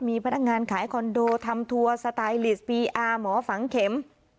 มีพนักงานขายคอนโดทำทัวร์สไตลิสต์ปีอาร์หมอฝังเข็ม